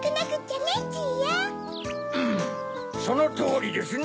そのとおりですな。